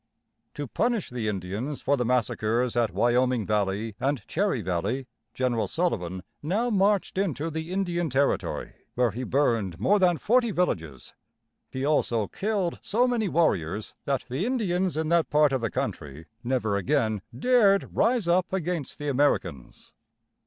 '" To punish the Indians for the massacres at Wyoming Valley and Cherry Valley, General Sul´li van now marched into the Indian territory, where he burned more than forty villages. He also killed so many warriors that the Indians in that part of the country never again dared rise up against the Americans.